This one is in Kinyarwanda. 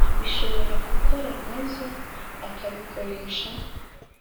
Bishobora gukora nkazo akabikoresha